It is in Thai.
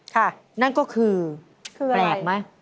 ค่ะนั่นก็คือแปลกไหมคืออะไร